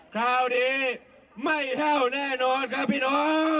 ข่าวดีไม่แห้วแน่นอนครับพี่น้อง